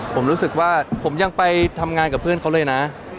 ผมรู้สึกว่าผมยังไปทำงานกับเพื่อนเขาเลยนะ